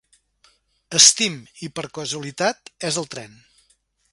Steam, i per casualitat és al tren.